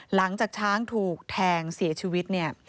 หลังจากช้างถูกแทงเสียชีวิตเนี่ย